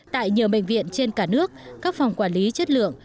tại nhiều bệnh viện trên cả nước các phòng quản lý chất lượng